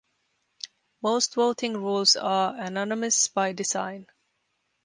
Most voting rules are anonymous by design.